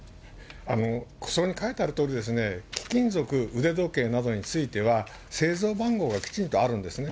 そこに書いてあるとおり、貴金属、腕時計などについては、製造番号がきちんとあるんですね。